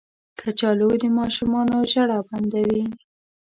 کچالو د ماشومانو ژړا بندوي